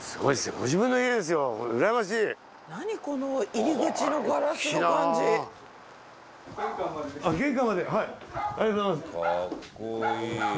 おめでとうございます。